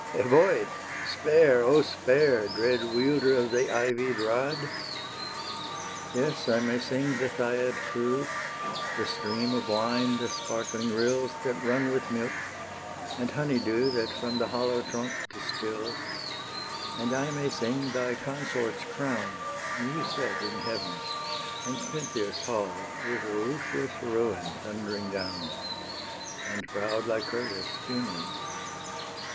Evoe! spare, O spare, Dread wielder of the ivied rod! Yes, I may sing the Thyiad crew, The stream of wine, the sparkling rills That run with milk, and honey dew That from the hollow trunk distils; And I may sing thy consort's crown, New set in heaven, and Pentheus' hall With ruthless ruin thundering down, And proud Lycurgus' funeral.